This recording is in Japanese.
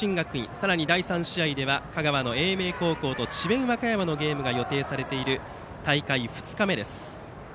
さらに第３試合では香川の英明高校と智弁和歌山のゲームが予定されている大会２日目です。